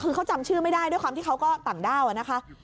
คือเขาจำชื่อไม่ได้ด้วยความที่เขาก็ต่างด้าวนะคะ